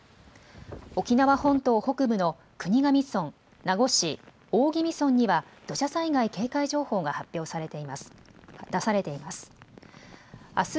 沖縄本島北部の国頭村、名護市、大宜味村には土砂災害警戒情報が出されています。